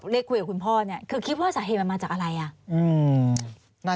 เรียกคุยกับคุณพ่อเนี่ยคือคิดว่าสาเหตุมันมาจากอะไรอ่ะ